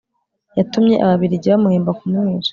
yatumye ababiligi bamuhemba kumwica